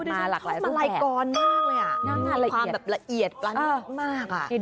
มีความละเอียดกันมาก